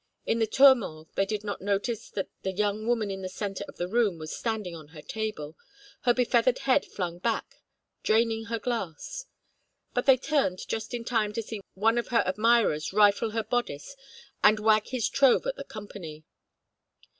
In the turmoil they did not notice that the young woman in the centre of the room was standing on her table, her befeathered head flung back, draining her glass; but they turned just in time to see one of her admirers rifle her bodice and wag his trove at the company.